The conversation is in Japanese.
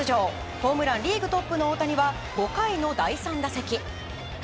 ホームランリーグトップの大谷は５回の第３打席。